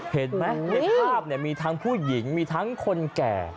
เฮ็ดมะภาพเนี่ยมีทั้งผู้หญิงมีทั้งคนแก่